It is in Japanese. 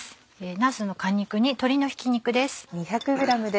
なすの果肉に鶏のひき肉です。